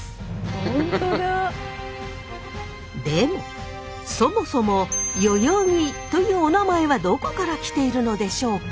本当だ！でもそもそも代々木というお名前はどこから来ているのでしょうか？